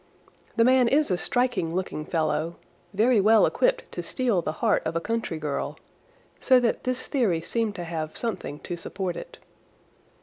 The man is a striking looking fellow, very well equipped to steal the heart of a country girl, so that this theory seemed to have something to support it.